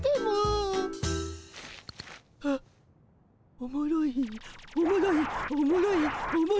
おもろいおもろいおもろいおもろい。